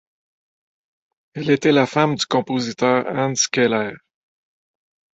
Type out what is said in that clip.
Elle était la femme du compositeur Hans Keller.